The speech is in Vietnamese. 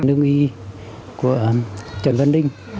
lương y của trần văn linh